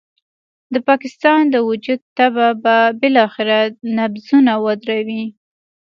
د پاکستان د وجود تبه به بالاخره نبضونه ودروي.